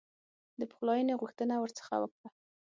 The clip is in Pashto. د پخلایني غوښتنه ورڅخه وکړه.